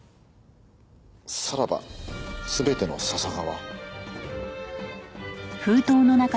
「さらば全ての笹川」。